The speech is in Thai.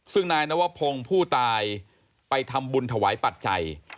ซึ่งนายนวพงศ์ผู้ตายไปทำบุญถวายปัจจัย